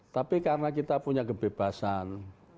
tapi karena kita punya kebebasan